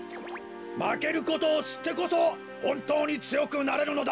まけることをしってこそほんとうにつよくなれるのだ。